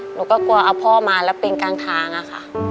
หนูก็กลัวเอาพ่อมาแล้วเป็นกลางทางอะค่ะ